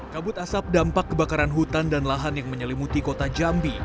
kabut asap dampak kebakaran hutan dan lahan yang menyelimuti kota jambi